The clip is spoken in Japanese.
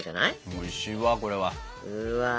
おいしいわこれは。最高。